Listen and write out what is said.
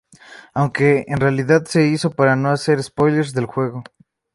Aunque en realidad se hizo para no hacer spoilers del juego.